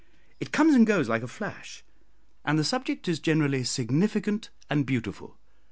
It comes and goes like a flash, and the subject is generally significant and beautiful.